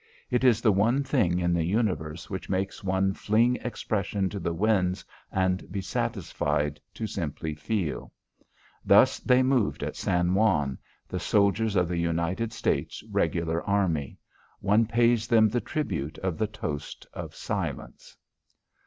It is the one thing in the universe which makes one fling expression to the winds and be satisfied to simply feel. Thus they moved at San Juan the soldiers of the United States Regular Army. One pays them the tribute of the toast of silence.